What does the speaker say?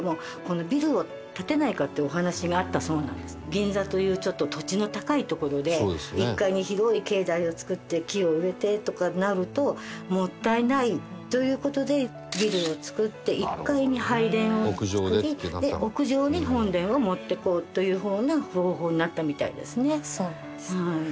銀座というちょっと土地の高い所で１階に広い境内を造って木を植えてとかなるともったいないという事でビルを造って１階に拝殿を造り屋上に本殿を持っていこうという風な方法になったみたいですねはい。